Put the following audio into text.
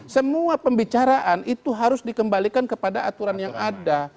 semua pembicaraan itu harus dikembalikan kepada aturan yang ada